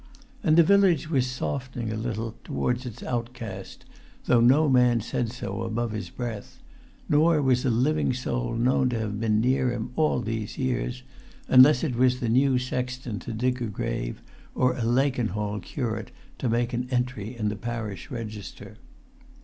And the village was softening a little towards its outcast, though no man said so above his breath; nor was a living soul known to have been near him all these years, unless it was the new sexton to dig a grave, or a Lakenhall curate to make an entry in the parish register.